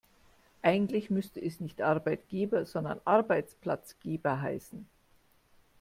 Eigentlich müsste es nicht Arbeitgeber, sondern Arbeitsplatzgeber heißen.